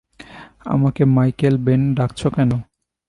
আমাকে Michael Ben ডাকছ কেন?